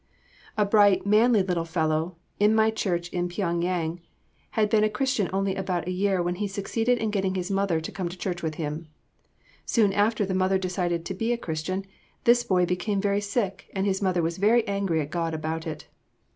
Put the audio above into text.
A bright, manly little fellow in my church in Pyeng Yang had been a Christian only about a year when he succeeded in getting his mother to come to church with him. Soon after the mother decided to be a Christian, this boy became very sick and his mother was very angry at God about it.